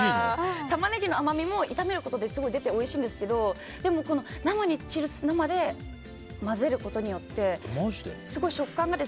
タマネギの甘みも炒めることですごい出ておいしいんですけど生で混ぜることによってすごい食感があって。